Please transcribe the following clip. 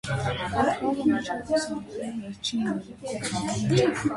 Այդ խաղը մինչև այս հանդիպումը վերջինն էր երկու թիմերի միջև։